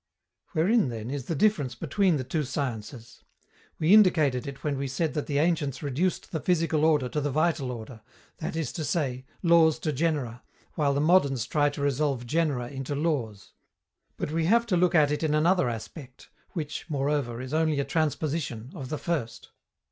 Wherein, then, is the difference between the two sciences? We indicated it when we said that the ancients reduced the physical order to the vital order, that is to say, laws to genera, while the moderns try to resolve genera into laws. But we have to look at it in another aspect, which, moreover, is only a transposition, of the first.